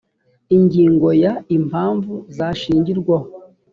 ingingo ya…: impamvu zashingirwaho